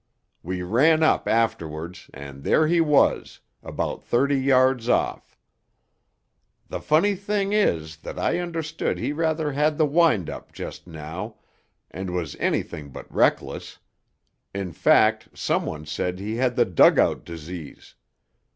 We ran up afterwards, and there he was, about thirty yards off.... The funny thing is that I understood he rather had the wind up just now, and was anything but reckless ... in fact, some one said he had the Dug out Disease....